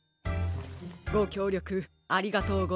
ごきょうりょくありがとうございます。